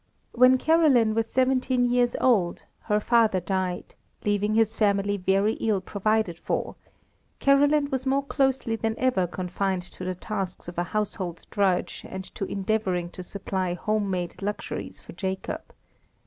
When Caroline was seventeen years old, her father died, leaving his family very ill provided for; Caroline was more closely than ever confined to the tasks of a household drudge and to endeavouring to supply home made luxuries for Jacob.